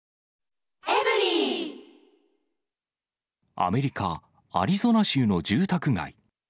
アメリカ・アリゾナ州の住宅街。